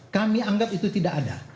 kami anggap itu tidak ada